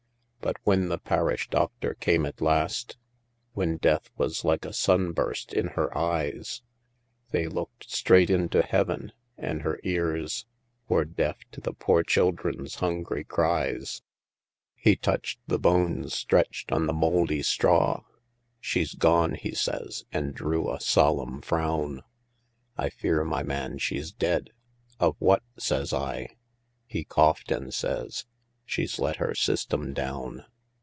But whin the parish docthor come at last, Whin death was like a sun burst in her eyes, (They looked straight into heaven) an her ears Wor deaf to the poor childer's hungry cries; He touched the bones stretched on the mouldy sthraw; "She's gone!" he says, and drew a solemn frown; "I fear, my man, she's dead." "Of what?" says I. He coughed, and says, "She's let her system down!"